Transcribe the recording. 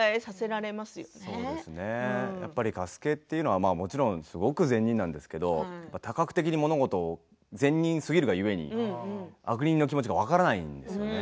加助というのはもちろんすごく善人なんですけども多角的に物事を善人すぎるが故に悪人の気持ちが分からないんですよね。